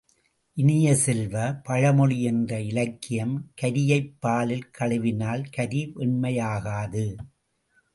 இனிய செல்வ, பழமொழி என்ற இலக்கியம் கரியைப் பாலில் கழுவினால் கரி வெண்மையாகாது.